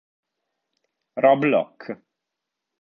Rob Lock